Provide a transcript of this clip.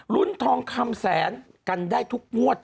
ลุ้นทองคำแสนกันได้ทุกงวด